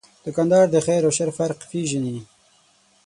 دوکاندار د خیر او شر فرق پېژني.